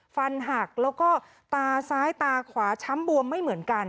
ฟันหักแล้วก็ตาซ้ายตาขวาช้ำบวมไม่เหมือนกัน